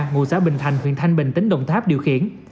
ngụ xã bình thành huyện thanh bình tỉnh đồng tháp điều khiển